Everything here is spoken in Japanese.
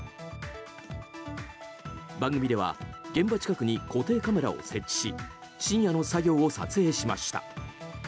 番組では現場近くに固定カメラを設置し深夜の作業を撮影しました。